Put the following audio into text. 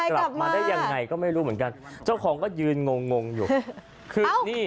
กลับมาได้ยังไงก็ไม่รู้เหมือนกันเจ้าของก็ยืนงงงงอยู่คือนี่